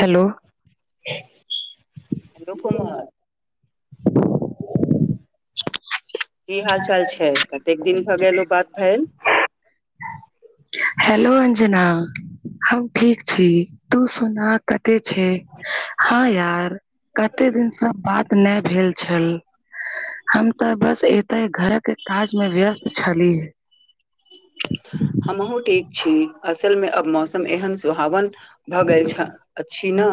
Hello hello Komal की हाल चाल छै कतेक दिन भए गेल ओ बात भेल हेलो अंजना हम ठीक छी तू सुना कते छै हँ यार कते दिनसँ बात नय भेल छल हम तऽ बस एतऽ हे घर के काज मे व्यस्त छली हमहुू ठीक छी असल मे अब मौसम एहन सुहावन भऽ गेल छ अछि न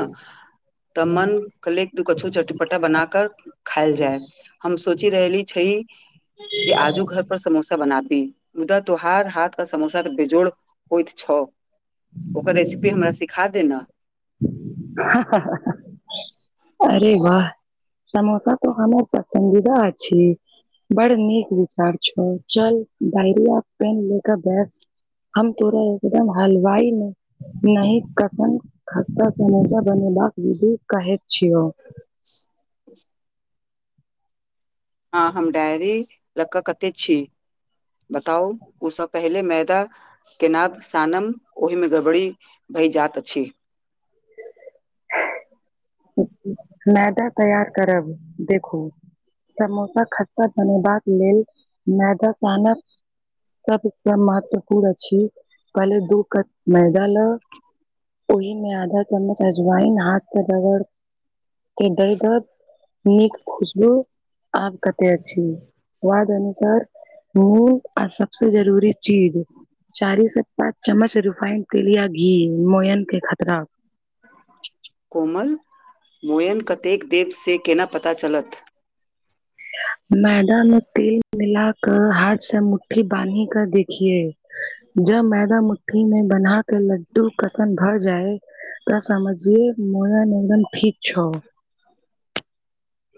तब मन कले दू कछो चटपटा बनााक खायल जाय हम सोचि रहली छै जे आजू घर पर समोसा बनाबी मुदा तोहार हाथ क समोसाऽ बेजोड़ होइत छ [unintelligible] अरे वाह समोसा त हमर पसन्दीदा अछि बड़ नीक विचार छओ चल डायरिया पेन ले के बस हम तोरा एकदम हलवाई नहि कसम खस्ता समोसा बनेबाक विधि कहैत छियौ [inaudible] हाँ हम डायरी ल क कते छी बताउ ओ सब पहिले मैदा केनाब सानम ओहिमे गड़बड़ी भयजात अछि मैदा तैयार करब देखू समोसा खटा बनेबाक लेल मैदा सानब सबसँ महत्वपूर्ण अछि पहिले दू कप मैदा ल ओहिमे आधा चम्मच अजवायन हाथ से रगड़ के दर्दह नीक खुशबु आब कते अछी स्वाद अनुसार नून ओ आ सबस जरूरी चीज चारी स पाँच चम्मच रिफाइन तेलिया घी मोयन के खतरा कोमल मोयन कतेक देब से केना पता चलत मैदा मे तेल मिलाके हाथ से मुट्ठी बान्हि कय देखिहें ज मैदा मुठीमे बनाह ओहिमे लड्डू क सन भऽ जाइ त समझिहें मोयन एकदम ठीक छै।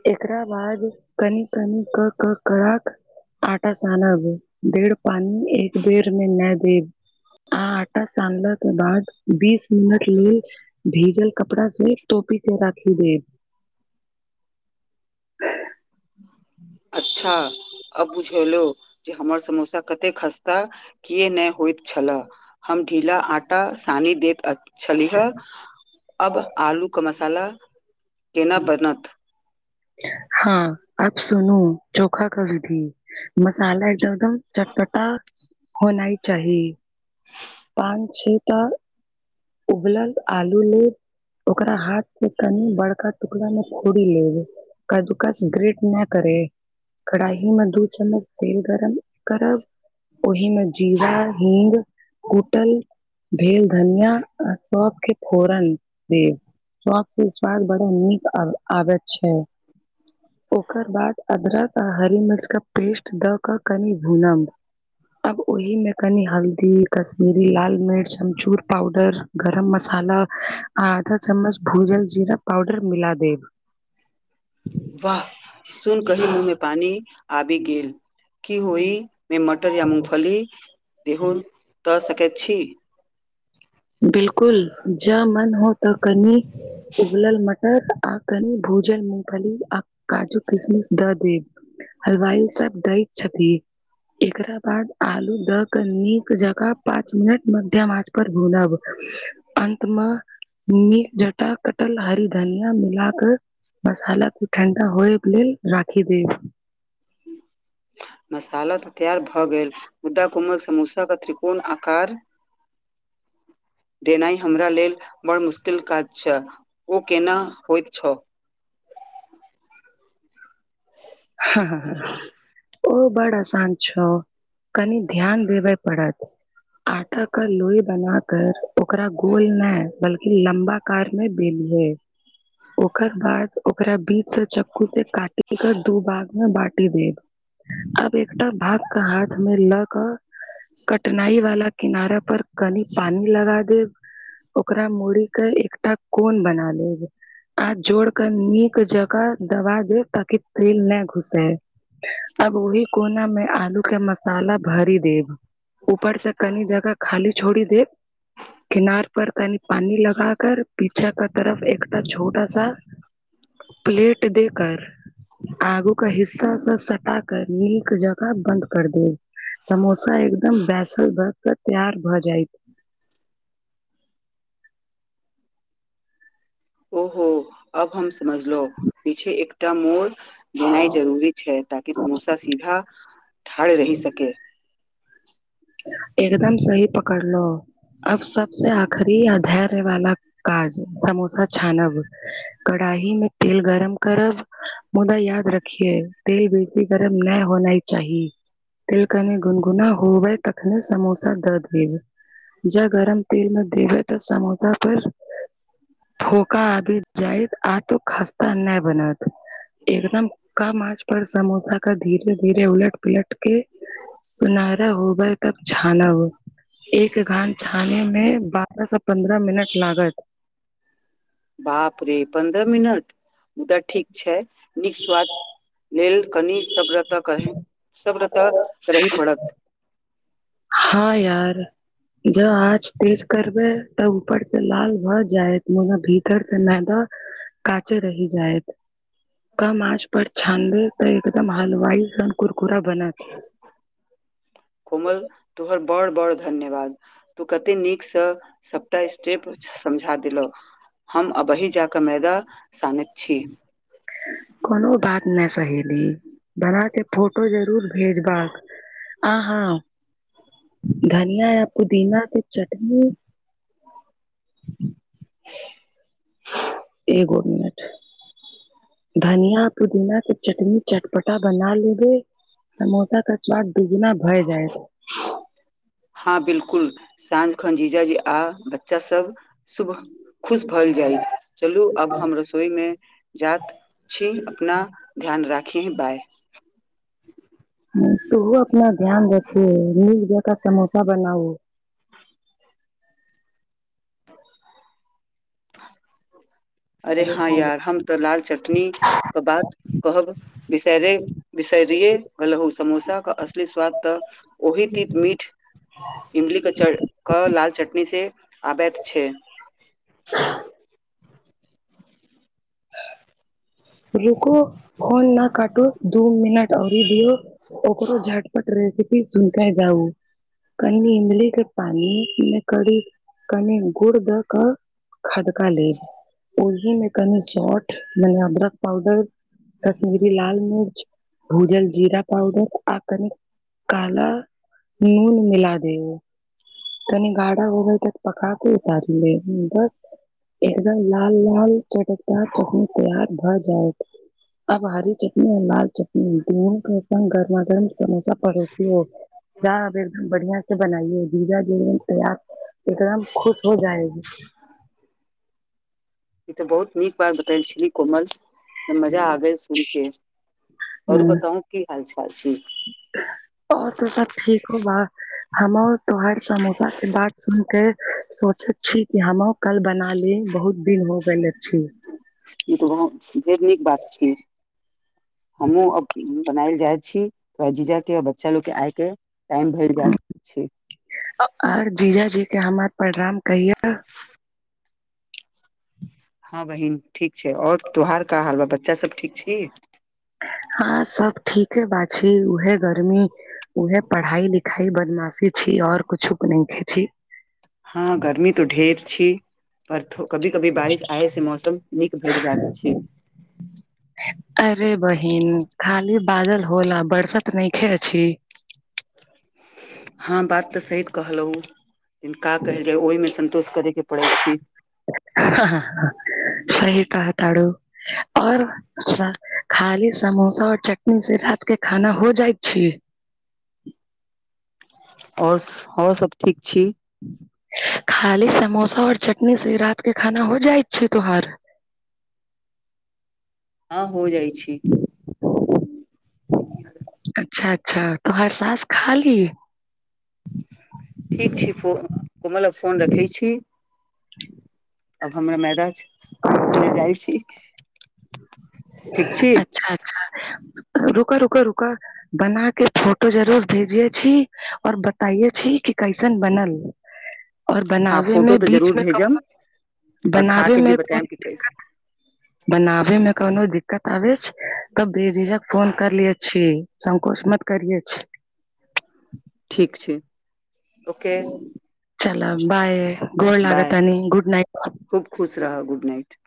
एकरा बाद कनि कनी क क करहक आटा सानब देढ़ पानि एक बेर मे नए देब आ आटा सानलहक के बाद बीस मिनट लेल भीजल कपड़ा से टोपी के राखी देब [inaudible] अच्छा अब बुझगेलौन जे हमर समोसा कते खस्ता किए नहि होइत छले हम ढीला आटा सानी देत अत छलिहे अब आलू के मसाला केना बनत हँ अब सुनू चोखा के विधि मसाला एकमदम चटपटा होना ही चाही पान छय त उबलल आलू लेब ओकरा हाथ स कनि बड़का टुकड़ा में तोरी लेब कद्दूकस ग्रेट ना करे कढ़ाइ मे दू चम्मच तेल गरम करब ओहिमे जीरा हींग कुटल भेले धनिया अ सबके फोरन देब सौंप स स्वाद बड़ा नीक अबैत छै ओकर बाद अदरक आ हरी मिर्च क पेस्ट द क कनि भूनम अब ओहि मे कनि हल्दी कश्मीरी लाल मिर्च अमचूर पाउडर गरम मसाला आ आधा चम्मच भूजल जीरा पाउडर मिला देब। वाह सुन कर ही मुँह में पानी आबि गेल की होहि मे मटर या मुमफली देहो दऽ सकैत छी बिल्कुल कुल जब मन हो तऽ कनी उबलल मटर आ कनी भूजल मुंगफली आ काजू किशमिश दऽ देब हलवाइ सब दैत छथि। एकरा बाद आलू दऽ कऽ नीक जकाँ पाँच मिनट मध्यम आँच पर भुनब अंत मे निक जटा कटल हरी धनियाँ मिला कऽ मसाला खूब ठण्डा होयेक लेल राखी देब मसाला तऽ तैयार भऽ गेल मुदा कोमल समोसा के त्रिकोण आकार देनाइ हमरा लेल बड़ मुश्किल काज छै ओ केना होइत छ हँ [inaudible] ओ बड़ आसान छौ कनी ध्यान देबे पड़त आटा का लोई बना कर ओकरा गोल नय बल्कि लम्बा कार मे बेलु हय ओकर बाद ओकरा बीच से चक्कू से काटि कऽ तू भाग मे बाटी देब आब एकटा भाग के हाथ मे लऽ कऽ कठिनाइ वाला किनारे पर कनी पानी लगा देब ओकरा मोड़ी कऽ एकटा कोन बना लेब आ जोड़ कऽ नीक जकाँ दबा देब ताकि तेल नय घुसै अब ओहि कोना मे आलू के मसाला भरि देब ऊपर से कनी जगह खाली छोड़ी देब किनार पर कनी पानी लगा कर पीछा का तरफ एकटा छोटा प्लेट दे कर आगू का हिस्सा सँ सटा कर नीक जकाँ बन्द कर देब समोसा एकदम बैसल भर कऽ तैयार भऽ जायत ओहो अब हम समझलो पीछे एकटा मोड़ देनाइ जरूरी छै ताकि समोसा सीधा ठाढ़ रहि सके एकदम सही पकड़लो अब सबसँ आखरी आ धैर्य वाला काज समोसा छानब कढ़ाहि मे तेल गरम करब मुदा याद रखिए तेल बेसी गरम नय होनाइ चाही तेल कनी गुनगुना होबै तखने समोसा दऽ देबै जँ गरम तेलमे देबै तऽ समोसा पर धोका आदी जाइ आ तो खास्ता नय बनत एकदम कम आँच पर समोसा कऽ धीरे धीरे उलट पलट के सुनहरा होय तब छानब एक घान छाने मे बारह से पन्द्रह मिनट लागत बाप रे पन्द्रह मिनट मुदा ठीक छै नीक स्वाद लेल कनि सभ्रे सभ्र तऽ करही पड़त हँ यार जँ आँच तेज करबै तब ऊपर से लाल भऽ जायत मुग भीतर से मैदा काँचे रहि जायत कम आँच पर छानबै तऽ एकदम हलवाई सन कुरकुरा बनत [inaudible] कोमल तोहर बड़ बड़ धन्यवाद तू कते नीकसँ सबटा स्टेप समझा देलौं हम अबहि जाकऽ मैदा सानैत छी कोनो बात न सहेली बना के फोटो जरूर भेजबाक आ‍‍हँ धन नय अ पुदीना के चटनी [inaudible] एगो मिनट धनिया पुदीना केँ चटनी चटपटा बना लेबे समोसा केऊ स्वाद दुगुना भए जैत हँ बिलकुल साँझ खन जीजा जी आ बच्चा सब शुभ खुश भ‌ईल जाइत चलू आब हम रसोई मे जात छी अपना ध्यान राखि बाय हु तुहो अपना ध्यान रखे नीक जका समोसा बनाऊ अरे हँ यार हम तऽ लाल चटनी क बात कहब बिसरे बिसरि गलहु समोसाे के असली स्वाद तऽ ओही तीत मीठ इमलीक च क लाल चटनीसँ आबैत छै रुको फोन न काटू दू मिनट औरी दियौ ओकरो झटपट रेसिपी सुन के जाउ कनि इमल के पान मे करी कनि गुड़ दक खदका लेब ओहि मे कनी सोठ मने अदरक पावडर कश्मीरी लाल मिर्च भूजल जीरा पावडर आ कने काला नून मिला देउ कनी गाढा होव तक पकाके उतार लेब बस एकदम लाल - लाल चटकदार चटनी तैयार भए जायत अब हरी चटनी आ लाल चटनी दुनू के संग गर्मा गर्म समोसा परोसी यो जा ऐ बेर एकदम बढ़िया से बनायो हे जीजाजी त आब एकदम खुश हो जाऐ‌ब ई तऽ बहुत नीक बात बतेल छि कि कोमल मजा आ गेल सुन के ओरु हाँ, बताउ की हाल चाल छी [inaudible] हमर तोहर समोसा के बात सुन के सोचैत छी कि हम कल बना ली बहुत दिन हो गेल अछि ई तऽ ब ढेर नीक बात छी हमहुँ बनायल जाइ छी थ जीजा के बच्चा लोग के आय के टाइम भर जात छै और जीजाजी के हमर परणाम कहिए [inaudible] [inaudible] हँ बहिन ठीक छै आओर तोहार की हाल बा बच्चा सब ठीक छी हँ सब ठीक है बा छै उहे गर्मी उहे पढ़ाई लिखाई बदमाशी छी आओर कुछुक नय छी हँ गर्मी तो ढेर छी [unintelligible] कभी कभी बारिश आय से मौसम नीक भेल जात छी अरे बहिन खाली बादल होला बरसा तऽ न‌इखे छी हँ बात तऽ सहित कहल‌उ हुिनका कहकै ओहिमे संतोष करत पड़ैत छी सही कह‌अ तारू और अच्छा खाली समोसा और चटनी से रात केँ खाना हो जाइत छी और और सब ठीक छी खाली समोसा और चटनी से रात के खाना हो जाइत छै तोहार [inaudible] [inaudible] [inaudible] ह हो जाइ छी ह अच्छा अच्छा तो हर सास खा ली ह ठीक छी फो फोन रखै छी अब हमरा मैदा न अगर जाइ छी ठीक छी अच्छा अच्छा रुका रुका रुका बना के फोटो जरूर भेजिये छी और बताइे छी कि कैसन बनल और हँ बनाबे मे फोटो तऽ जरूर बीचमे भेजम कहनो और खा बनाबे के भी मे कोन बतायब कि कैसे दिक्कत बनाबे मे कोनो दिक्कत आबे छै तब बेजिझक फोन करलिये छी संकोच मत करिये छी ठीक छै ओके चल बाय गोल बाय लागतनी गुड नइट खूब खुश रहह गुड नाट